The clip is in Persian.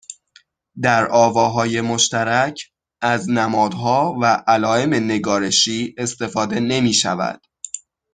در آواهای مشترک از نمادها و علائم نگارشی استفاده نمیشود